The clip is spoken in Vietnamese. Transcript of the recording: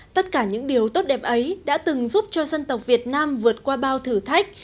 tất cả những điều tốt đẹp ấy đã từng giúp cho dân tộc việt nam vượt qua bao thử thách